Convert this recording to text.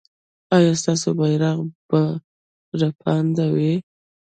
ایا ستاسو بیرغ به رپانده وي؟